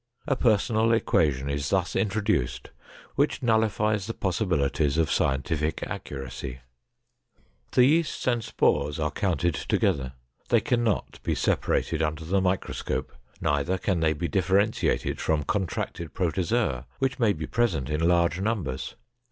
A personal equation is thus introduced which nullifies the possibilities of scientific accuracy. The yeasts and spores are counted together. They can not be separated under the microscope, neither can they be differentiated from contracted protozoa which may be present in large numbers.